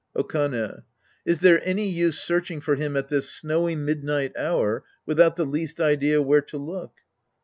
Okane. Is there any use searching for him at this snowy midnight hour without the least idea where to look